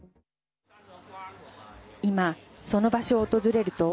今、その場所を訪れると。